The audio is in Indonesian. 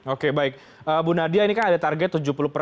oke baik ibu nadia ini kan ada target